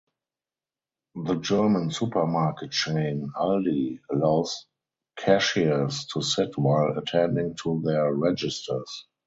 The German supermarket chain Aldi allows cashiers to sit while attending to their registers.